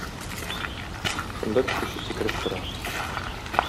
Шунда көтүче сикереп тора.